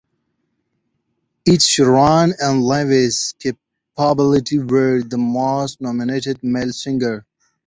Ed Sheeran and Lewis Capaldi were the most nominated male singers.